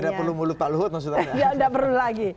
tidak perlu mulut pak luhut maksudnya ya